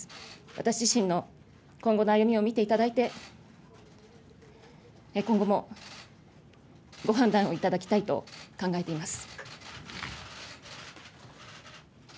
私自身の今後の歩みを見ていただいて、今後もご判断を頂きたいと考えています。